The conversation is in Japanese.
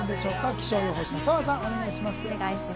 気象予報士の澤さん、お願いします。